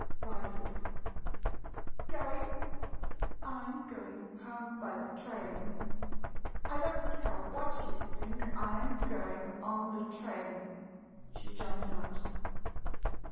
[Rises.] Going ? I 'm going home by the train. I don't care what you think, I 'm going on the train. [She jumps out.